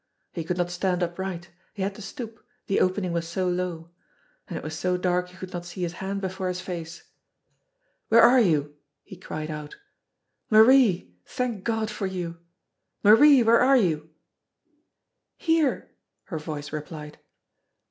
He could not stand upright ; he had to stoop, the opening was so low. And it was so dark he could not see his hand before his face. "Where are you?" he cried out. "Marie, thank God for you ! Marie, where are you ?" "Here," her voice replied.